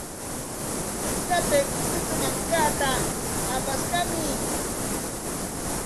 Chukllapik mitu mankata apaskamuy.